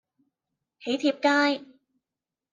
囍帖街